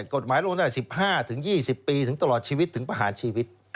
กฎหมายลงได้๑๕๒๐ปีถึงตลอดชีวิตถึงประหารชีวิต